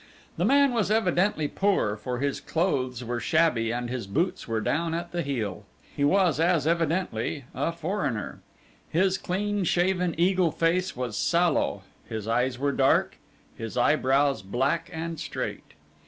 The man was evidently poor, for his clothes were shabby and his boots were down at heel. He was as evidently a foreigner. His clean shaven eagle face was sallow, his eyes were dark, his eyebrows black and straight.